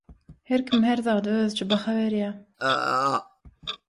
Herkim her zada özüçe baha berýär.